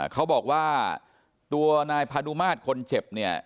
เขาบอกว่าตัวนายพานุมาตรคนเจ็บเนี่ย